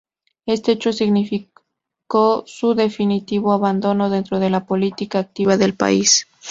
Este hecho significó su definitivo abandono dentro de la política activa del país.